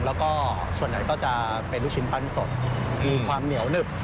แล้วก็ส่วนใหญ่ก็จะเป็นลูกชิ้นปั้นสดมีความเหนียวหนึบ